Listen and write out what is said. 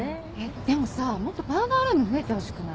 でもさもっとパウダールーム増えてほしくない？